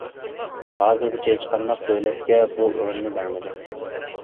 ھازىرغىچە ھېچقانداق دۆلەتكە بۇ ئورۇننى بەرمىدى.